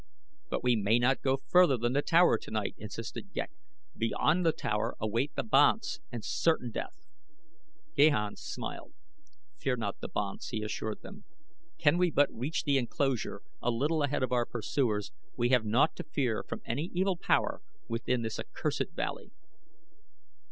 "But we may not go further than the tower tonight," insisted Ghek. "Beyond the tower await the banths and certain death." Gahan smiled. "Fear not the banths," he assured them. "Can we but reach the enclosure a little ahead of our pursuers we have naught to fear from any evil power within this accursed valley."